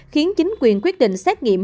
khiến chính quyền quyết định xét nghiệm